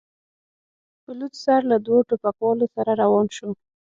په لوڅ سر له دوو ټوپکوالو سره روان شو.